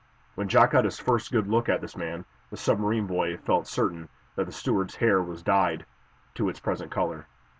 When Jack got his first good look at this man, the submarine boy felt certain that the steward's hair was dyed to its present color.